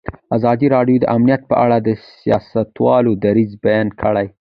ازادي راډیو د امنیت په اړه د سیاستوالو دریځ بیان کړی.